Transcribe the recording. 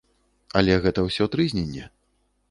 Але гэта ўсё трызненне.